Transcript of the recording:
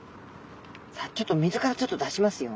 さあちょっと水から出しますよ。